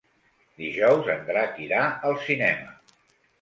Dijous en Drac irà al cinema.